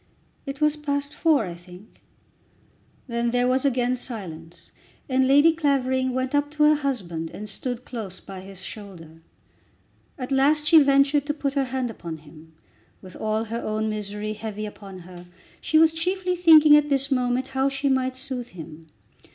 "It was past four I think." Then there was again silence, and Lady Clavering went up to her husband and stood close by his shoulder. At last she ventured to put her hand upon him. With all her own misery heavy upon her, she was chiefly thinking at this moment how she might soothe him.